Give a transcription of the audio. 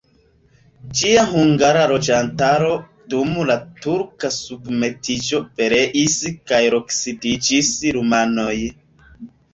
Ĝia hungara loĝantaro dum la turka submetiĝo pereis kaj loksidiĝis rumanoj.